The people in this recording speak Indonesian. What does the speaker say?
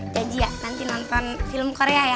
gaji ya nanti nonton film korea ya